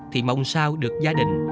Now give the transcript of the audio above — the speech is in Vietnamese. thì mong sao được gia đình